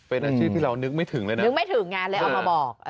เป็นอาชีพที่เรานึกไม่ถึงเลยนะนึกไม่ถึงไงเลยเอามาบอก